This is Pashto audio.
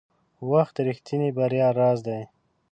• وخت د رښتیني بریا راز دی.